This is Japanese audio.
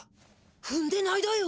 ふんでないだよ？